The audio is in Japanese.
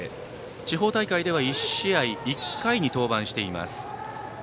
地方大会では１試合１回に登板しています。